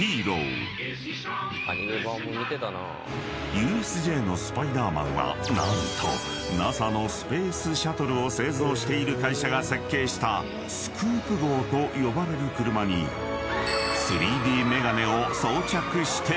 ［ＵＳＪのスパイダーマンは何とＮＡＳＡのスペースシャトルを製造している会社が設計したスクープ号と呼ばれる車に３Ｄメガネを装着して乗り込む］